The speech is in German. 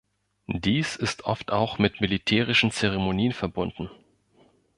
Dies ist oft auch mit militärischen Zeremonien verbunden.